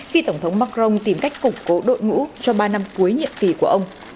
khi tổng thống macron tìm cách củng cố đội ngũ cho ba năm cuối nhiệm kỳ của ông